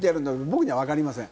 僕にはわかりません。